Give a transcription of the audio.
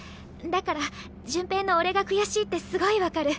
だから潤平の「俺が悔しい」ってすごい分かる。